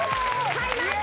買います！